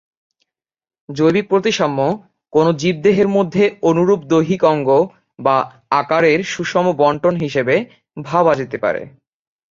জৈবিক প্রতিসাম্য কোনো জীবদেহের মধ্যে অনুরূপ দৈহিক অঙ্গ বা আকারের সুষম বণ্টন হিসেবে ভাবা যেতে পারে।